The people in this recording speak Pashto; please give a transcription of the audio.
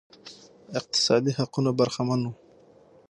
اقتصادي حقونو برخمن وو